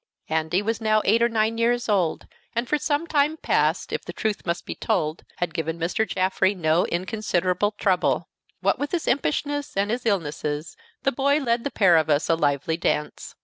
Andy was now eight or nine years old, and for some time past, if the truth must be told, had given Mr. Jaffrey no inconsiderable trouble; what with his impishness and his illnesses, the boy led the pair of us a lively dance.